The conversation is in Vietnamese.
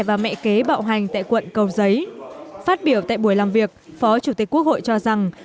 và mẹ kế bạo hành tại quận cầu giấy phát biểu tại buổi làm việc phó chủ tịch quốc hội cho rằng